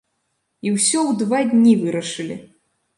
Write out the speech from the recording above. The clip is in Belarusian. І ўсё ў два дні вырашылі!